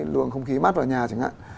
luồng không khí mát vào nhà chẳng hạn